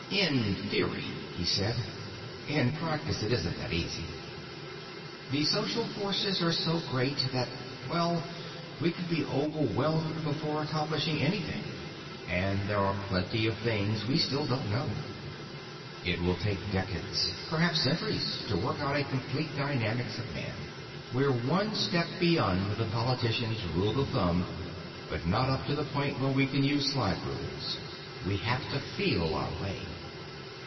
"In theory," he said. "In practice it isn't that easy. The social forces are so great that well, we could be overwhelmed before accomplishing anything. And there are plenty of things we still don't know. It will take decades, perhaps centuries, to work out a complete dynamics of man. We're one step beyond the politician's rule of thumb but not up to the point where we can use slide rules. We have to feel our way."